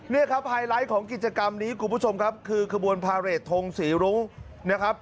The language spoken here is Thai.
นี่ครับไฮไลท์ของกิจกรรมนี้คุณผู้ชมครับคือขบวนพาเรททงศรีรุ้งนะครับ